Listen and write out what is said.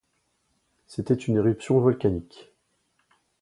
C’était une éruption volcanique.